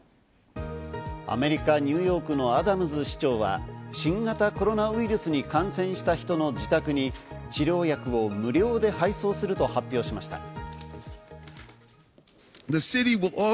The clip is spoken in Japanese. アメリカ・ニューヨークのアダムズ市長は新型コロナウイルスに感染した人の自宅に治療薬を無料で配送すると発表しました。